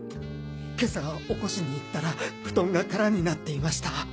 今朝起こしに行ったら布団が空になっていました。